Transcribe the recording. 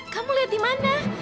kamu lihat di mana